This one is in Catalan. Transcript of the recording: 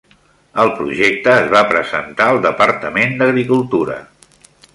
El projecte es va presentar al Departament d'Agricultura.